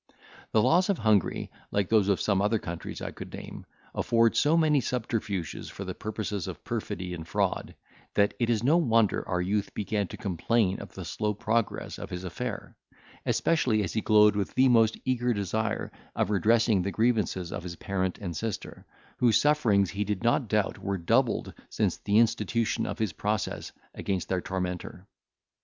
The laws of Hungary, like those of some other countries I could name, afford so many subterfuges for the purposes of perfidy and fraud, that it is no wonder our youth began to complain of the slow progress of his affair; especially as he glowed with the most eager desire of redressing the grievances of his parent and sister, whose sufferings he did not doubt were doubled since the institution of his process against their tormentor.